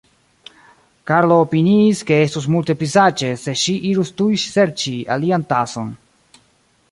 Karlo opiniis, ke estus multe pli saĝe, se ŝi irus tuj serĉi alian tason.